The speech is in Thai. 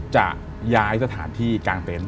จะย้ายสถานที่กลางเต็นต์